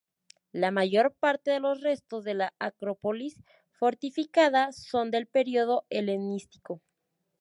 La mayor parte de los restos de la acrópolis fortificada son del periodo helenístico.